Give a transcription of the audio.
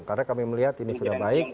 karena kami melihat ini sudah baik